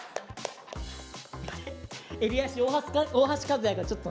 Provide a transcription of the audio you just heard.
あれ襟足大橋和也がちょっと。